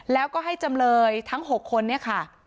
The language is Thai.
แล้วก็ให้จำเลยทั้ง๖คนเนี่ยค่ะ